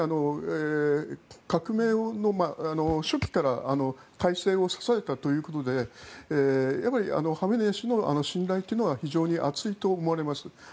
革命の初期から体制を支えたということでやっぱりハメネイ師の信頼というのは非常に厚いと思われます。